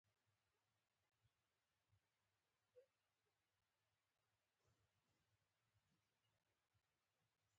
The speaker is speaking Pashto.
تر هغه زیاته زده کړه کوي .